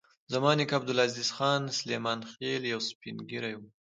زما نیکه عبدالعزیز خان سلیمان خېل یو سپین ږیری و.